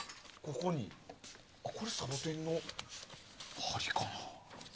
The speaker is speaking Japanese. これ、サボテンの針かな。